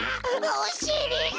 おしりが！